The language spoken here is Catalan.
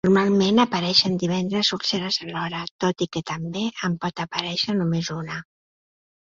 Normalment apareixen diverses úlceres alhora, tot i que també en pot aparèixer només una.